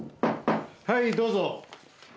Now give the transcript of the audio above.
はいどうぞ。